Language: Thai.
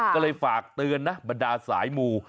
ก็เลยฝากเตือนนะบรรดาสายมู